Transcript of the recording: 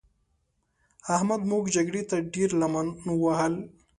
احمد موږ جګړې ته ډېره لمن ووهل.